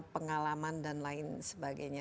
pengalaman dan lain sebagainya